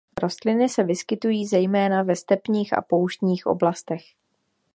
Rostliny se vyskytují zejména ve stepních a pouštních oblastech.